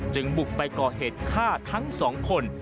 บุกไปก่อเหตุฆ่าทั้งสองคน